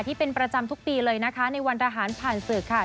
ที่เป็นประจำทุกปีเลยนะคะในวันทหารผ่านศึกค่ะ